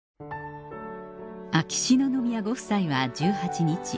秋篠宮ご夫妻は１８日